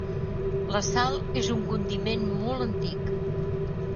La sal és un condiment molt antic.